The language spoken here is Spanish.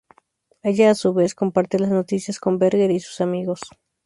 Ella a su vez comparte las noticias con Berger y sus amigos.